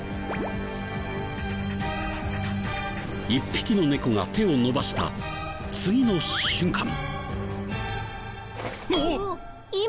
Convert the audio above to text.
１匹の猫が手を伸ばした次の瞬間。